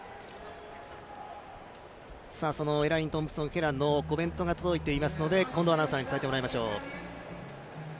エライン・トンプソン・ヘラのコメントが届いていますので近藤アナウンサーに伝えてもらいましょう。